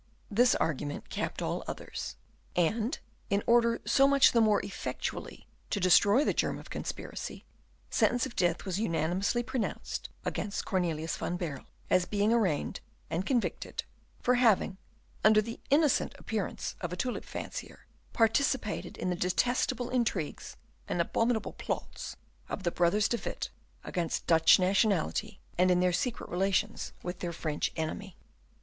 This argument capped all the others, and, in order so much the more effectually to destroy the germ of conspiracy, sentence of death was unanimously pronounced against Cornelius van Baerle, as being arraigned, and convicted, for having, under the innocent appearance of a tulip fancier, participated in the detestable intrigues and abominable plots of the brothers De Witt against Dutch nationality and in their secret relations with their French enemy.